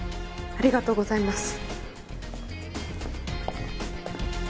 ありがとうございます。